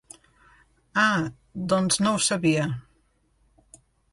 Ah, doncs no ho sabia.